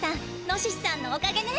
ノシシさんのおかげね。